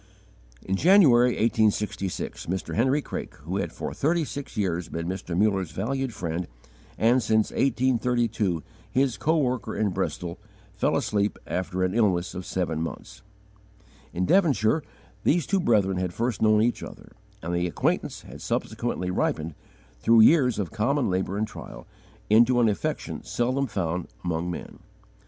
In January, 1866, Mr. Henry Craik, who had for thirty six years been Mr. Muller's valued friend, and, since 1832, his coworker in Bristol, fell asleep after an illness of seven months. In Devonshire these two brethren had first known each other, and the acquaintance had subsequently ripened, through years of common labour and trial, into an affection seldom found among men.